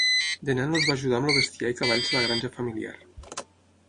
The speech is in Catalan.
De nen els va ajudar amb el bestiar i cavalls a la granja familiar.